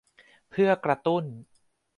เพื่อกระตุ้น